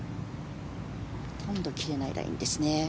ほとんど切れないラインですね。